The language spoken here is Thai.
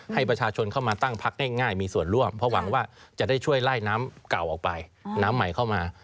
ให้ประชาชนเข้ามาตั้งพักได้ง่ายมีส่วนร่วมเพราะหวังว่าจะได้ช่วยไล่น้ำเก่าออกไปน้ำใหม่เข้ามา